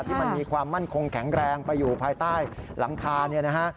ที่มันมีความมั่นคงแข็งแรงไปอยู่ภายใต้หลังคาเนี่ยนะฮะ